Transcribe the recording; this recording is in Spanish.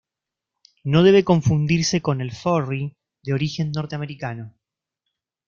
No debe confundirse con el "furry", de origen norteamericano.